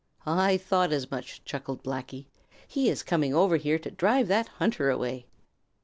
"I thought as much," chuckled Blacky. "He is coming over here to drive that hunter away."